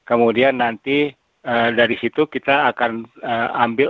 kemudian nanti dari situ kita akan ambil